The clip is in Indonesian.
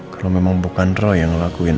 kalau memang bukan roh yang ngelakuin